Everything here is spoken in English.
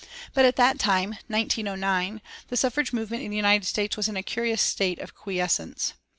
But at that time, 1909, the suffrage movement in the United States was in a curious state of quiescence.